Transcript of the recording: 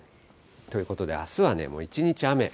ということであすはね、もう一日雨。